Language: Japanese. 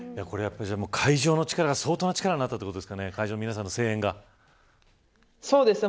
会場の力が相当な力になったということなんですかね